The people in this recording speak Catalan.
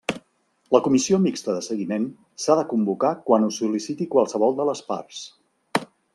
La Comissió Mixta de Seguiment s'ha de convocar quan ho sol·liciti qualsevol de les parts.